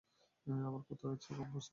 আবার কোথাও এর চেয়ে কম প্রস্থ ছিল।